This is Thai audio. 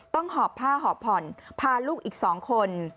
ต้องหอบผ้าห่อผ่อนพาลูกอีก๒คน